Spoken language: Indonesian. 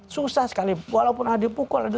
susah sekali walaupun ada pukul ada